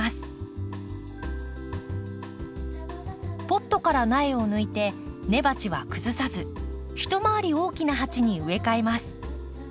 ポットから苗を抜いて根鉢は崩さず一回り大きな鉢に植え替えます。